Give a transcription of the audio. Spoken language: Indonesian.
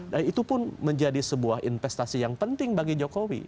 dan itu pun menjadi sebuah investasi yang penting bagi jokowi